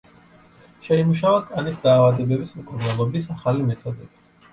შეიმუშავა კანის დაავადებების მკურნალობის ახალი მეთოდები.